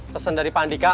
pesen dari pak andika